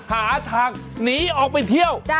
หาทางหนีออกไปเที่ยว